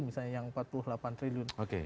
misalnya yang empat puluh delapan triliun